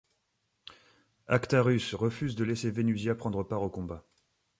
Actarus refuse de laisser Vénusia prendre part au combat.